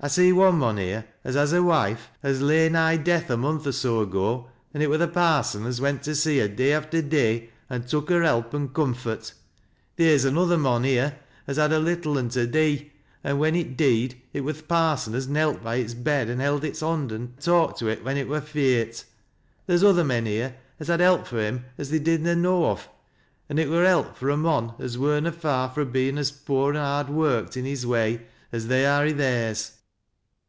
I see one mon hej'e as has a wife as lay nigh death a month or so ago, an' it were the parsot as went to see her day after day, an' tuk her help and "TURNED METHODT.' ' 211 comfort. Thaer's another mon here as had a little an t(] dee, an' when it deed, it wur th' pa' son as knelt by its bed an' held its bond an' talkt to it when it were feart Thoer's other men here as had help fro' him as they did aa know of, an' it wur help from a mon as wur na fai tro' a bein' as poor an' hard worked i' his way as they are i' theirs.